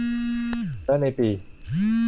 และในปี